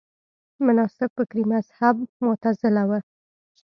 مناسب فکري مذهب معتزله وه